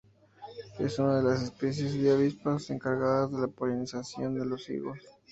Es una de las especies de avispas encargadas de la polinización de los higos.